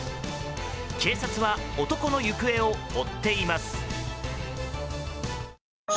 警察は男の行方を追っています。